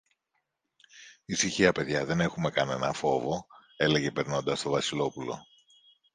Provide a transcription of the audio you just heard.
Ησυχία, παιδιά, δεν έχομε κανένα φόβο, έλεγε περνώντας το Βασιλόπουλο.